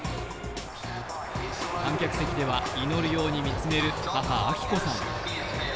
観客席では祈るように見つめる、母・明子さん。